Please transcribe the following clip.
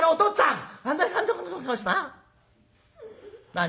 「何？